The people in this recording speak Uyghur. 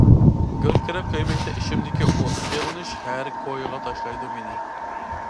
گۈركىرەپ كۆيمەكتە ئىچىمدىكى ئوت، سېغىنىش ھەر كويغا تاشلايدۇ مېنى.